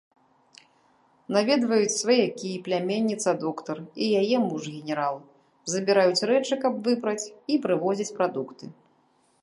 Наведваюць сваякі, пляменніца-доктар і яе муж, генерал, забіраюць рэчы, каб выпраць, і прывозяць прадукты.